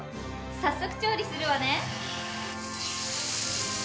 早速調理するわね。